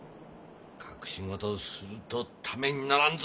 隠し事をするとためにならんぞ！